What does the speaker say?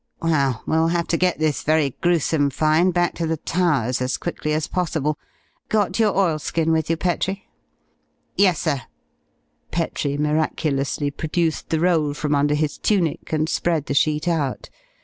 Well, we'll have to get this very gruesome find back to the Towers as quickly as possible. Got your oilskin with you, Petrie?" "Yessir!" Petrie miraculously produced the roll from under his tunic and spread the sheet out.